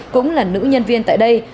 cũng là nữ nhân viên tại đây